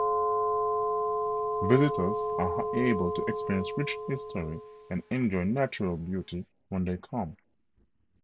Visitors are able to experience rich history and enjoy natural beauty when they come.